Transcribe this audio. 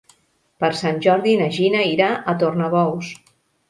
Per Sant Jordi na Gina irà a Tornabous.